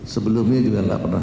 sebelumnya juga tidak pernah